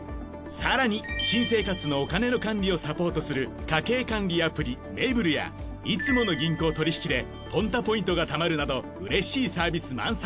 更に新生活のお金の管理をサポートする家計管理アプリＭａｂｌｅやいつもの銀行取引でＰｏｎｔａポイントがたまるなどうれしいサービス満載。